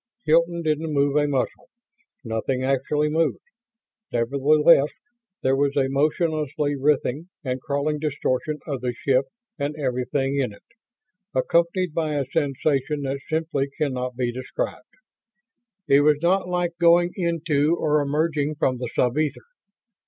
Hilton didn't move a muscle. Nothing actually moved. Nevertheless there was a motionlessly writhing and crawling distortion of the ship and everything in it, accompanied by a sensation that simply can not be described. It was not like going into or emerging from the sub ether.